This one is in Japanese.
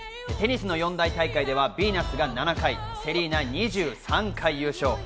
テニスの四大大会ではビーナスが７回、セリーナ２３回優勝。